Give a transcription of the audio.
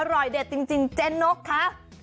อร่อยเด็ดจริงเจ๊นกคะ